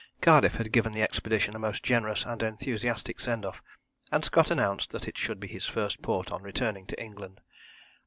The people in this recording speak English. Cardiff had given the expedition a most generous and enthusiastic send off, and Scott announced that it should be his first port on returning to England.